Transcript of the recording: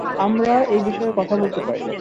আমরা এই বিষয়ে কথা বলতে পারি।